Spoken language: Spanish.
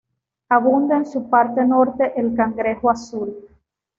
Abunda en su parte norte el cangrejo azul.